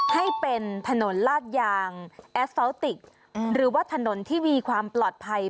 ให้เป็นถนนลากยางแอสฟาวติกหรือว่าถนนที่มีความปลอดภัย